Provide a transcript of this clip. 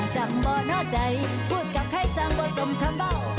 จำบ่อหน่อใจพูดกับไข้สังว่าสมคำเบา